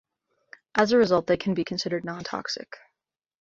As a result, they can also be considered non-toxic.